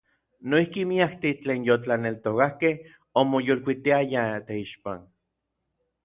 Noijki miaktij tlen yotlaneltokakej omoyolkuitiayaj teixpan.